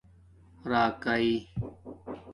رای گئ